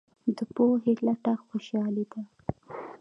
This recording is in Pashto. د پوهې لټه خوشحالي ده.